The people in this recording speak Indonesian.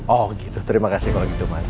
oh gitu terima kasih kalau gitu mas